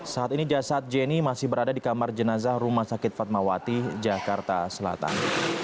saat ini jasad jenny masih berada di kamar jenazah rumah sakit fatmawati jakarta selatan